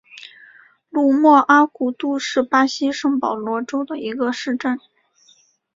莫鲁阿古杜是巴西圣保罗州的一个市镇。